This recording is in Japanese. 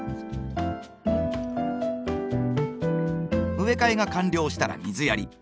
植え替えが完了したら水やり。